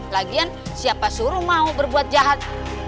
lagian siapa suruh mau berbuat jahat